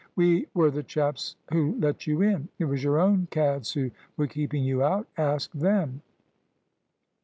"We were the chaps who let you in! It was your own cads who were keeping you out. Ask them."